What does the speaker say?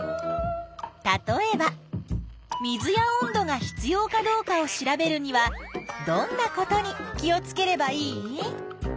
例えば水や温度が必要かどうかを調べるにはどんなことに気をつければいい？